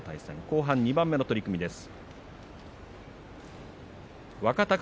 後半２番目の取組です。